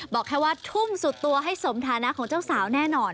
บอกแค่ว่าทุ่มสุดตัวให้สมฐานะของเจ้าสาวแน่นอน